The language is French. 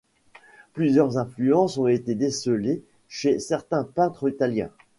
Plusieurs influences ont été décelées chez certains peintres italiens.